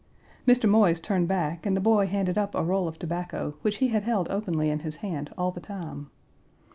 Mr. Moise turned back and the boy handed up a roll of tobacco, which he had held openly in his hand all the time.